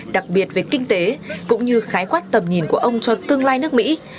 đặc biệt về kinh tế cũng như khái quát tầm nhìn của ông cho tương lai nước mỹ